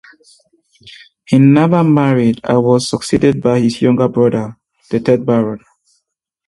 He never married and was succeeded by his younger brother, the third Baron.